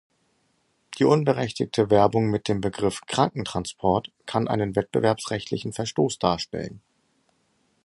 Die unberechtigte Werbung mit dem Begriff „Krankentransport“ kann einen wettbewerbsrechtlichen Verstoß darstellen.